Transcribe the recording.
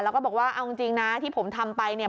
แล้วก็บอกว่าเอาจริงนะที่ผมทำไปเนี่ย